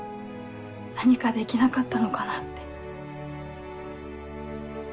何かできなかったのかなって。